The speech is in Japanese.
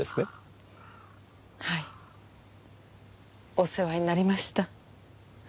お世話になりました。